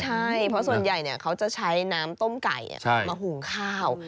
ใช่เพราะส่วนใหญ่เขาจะใช้น้ำต้มไก่มาหุงข้าว